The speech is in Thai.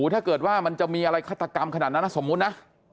ถ้าเกิดว่ามันจะมีอะไรฆาตกรรมขนาดนั้นนะสมมุตินะ